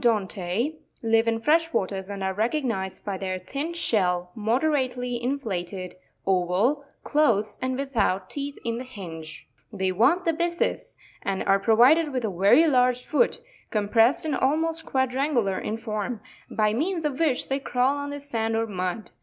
100.—anoponta. 24. The Anopont® live in fresh waters, and are recog: nised by their thin shell, moderately inflated, oval, close, and without teeth in the hinge (fig. 100); they want the byssus, and are provided with a very large foot, compressed and almost quadrangular in form, by means of which they crawl on the sand or mud.